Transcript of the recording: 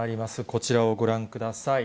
こちらをご覧ください。